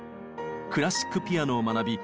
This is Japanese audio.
クラシックピアノを学び